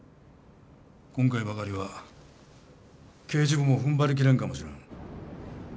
今回ばかりは刑事部もふんばり切れんかもしれん。